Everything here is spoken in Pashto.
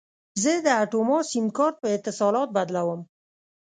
زه د اټوما سیم کارت په اتصالات بدلوم.